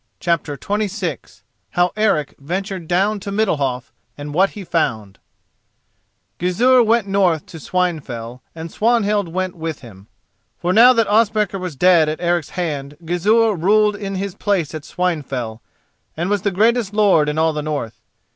CHAPTER XXVI HOW ERIC VENTURED DOWN TO MIDDALHOF AND WHAT HE FOUND Gizur went north to Swinefell, and Swanhild went with him. For now that Ospakar was dead at Eric's hand, Gizur ruled in his place at Swinefell, and was the greatest lord in all the north.